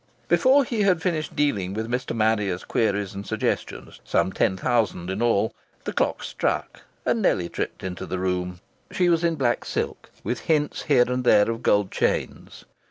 Before he had finished dealing with Mr. Marrier's queries and suggestions some ten thousand in all the clock struck, and Nellie tripped into the room. She was in black silk, with hints here and there of gold chains.